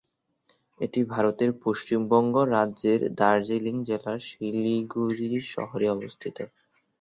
এটি ভারতের পশ্চিমবঙ্গ রাজ্যের দার্জিলিং জেলার শিলিগুড়ি শহরে অবস্থিত।